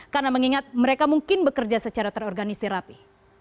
karena mengingat mereka mungkin bekerja secara terorganisir rapi